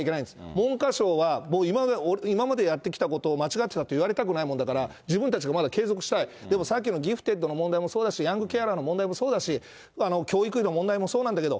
文科省は今までやってきたことを間違ってたっていわれたくないもんだから、自分たちがまだ継続したい、でもさっきのギフテッドの問題もそうだし、ヤングケアラーの問題もそうだし、教育費の問題もそうなんだけど。